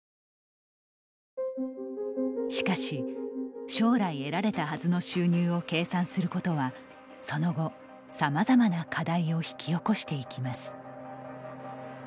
しかし、将来得られたはずの収入を計算することはその後、さまざまな課題を引き起こしていきます。